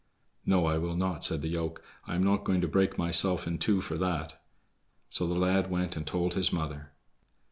"No, I will not," said the yoke; "I am not going to break myself in two for that." So the lad went and told his mother.